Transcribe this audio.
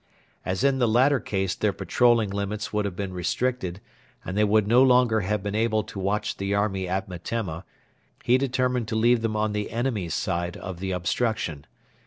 As in the latter case their patrolling limits would have been restricted, and they would no longer have been able to watch the army at Metemma, he determined to leave them on the enemy's side of the obstruction.